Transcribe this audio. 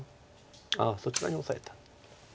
ああそちらにオサえた。